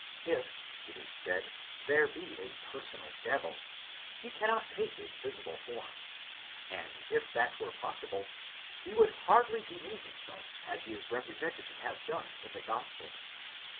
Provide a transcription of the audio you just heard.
If, it is said, there be a personal devil, he cannot take a visible form ; and if that were possible, he would hardly demean himself as he is represented to have done in the gospels.